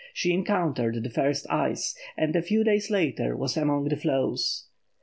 she encountered the first ice, and a few days later was among the floes.